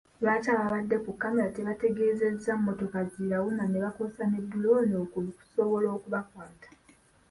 Lwaki abaabadde ku kkamera tebaategeezezza mmotoka zirawuna ne bakozesa ne ddulooni okusobola okubakwata.